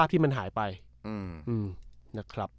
นั่นแหละครับ